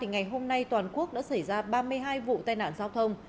ngày hôm nay toàn quốc đã xảy ra ba mươi hai vụ tai nạn giao thông